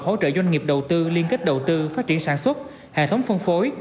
hỗ trợ doanh nghiệp đầu tư liên kết đầu tư phát triển sản xuất hệ thống phân phối